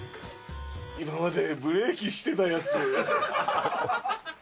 今までブレーキしてたやつ。